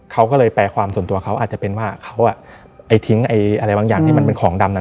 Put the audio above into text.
เขาก็เลยแปลความส่วนตัวเขาอาจจะเป็นว่า